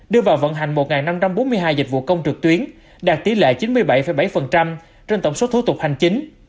đưa vào vận hành một năm trăm bốn mươi hai dịch vụ công trực tuyến đạt tỷ lệ chín mươi bảy bảy trên tổng số thủ tục hành chính